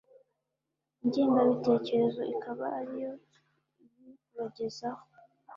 ingengabitekerezo ikaba ariyo ibibagezaho.